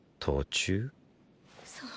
そう！